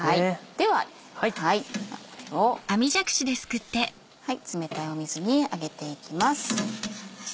ではこれを冷たい水に上げていきます。